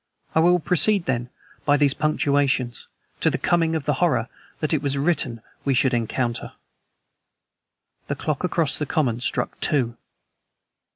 I will proceed, then, by these punctuations, to the coming of the horror that it was written we should encounter. The clock across the common struck two.